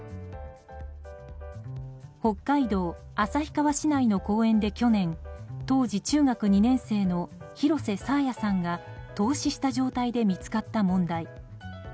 北海道旭川市内の公園で去年当時、中学２年生の広瀬爽彩さんが凍死した状態で見つかった問題。